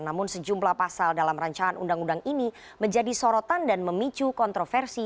namun sejumlah pasal dalam rancangan undang undang ini menjadi sorotan dan memicu kontroversi